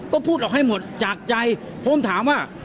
ก็พูดออกให้หมดจากใจผมถามว่า